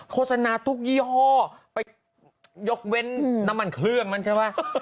โฆษณาทุกยี่ห้อไปยกเว้นน้ำมันเครื่องมันใช่ไหม